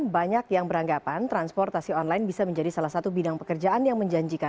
banyak yang beranggapan transportasi online bisa menjadi salah satu bidang pekerjaan yang menjanjikan